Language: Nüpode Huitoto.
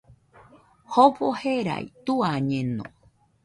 Jofo jerai tuañeno